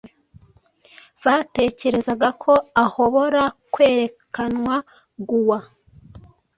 batekerezaga ko ahobora kwerekanwa gua,